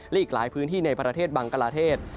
และอีกหลายพื้นที่ในประเทศบังกลาเทศ